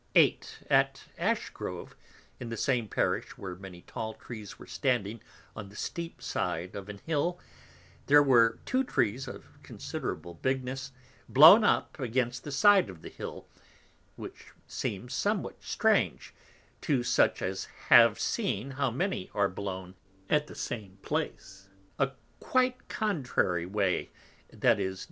8. At Ashegrove, in the same Parish (where many tall Trees were standing on the steep side of an Hill) there were two Trees of considerable bigness blown up against the side of the Hill, which seems somewhat strange, to such as have seen how many are blown, at the same place, a quite contrary way, _i.e.